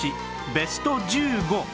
ベスト１５